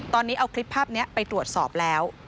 ตอนนี้เอาคลิปภาพนี้ไปตรวจสอบแล้ว